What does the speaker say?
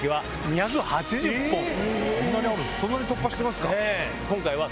そんなに突破してますか。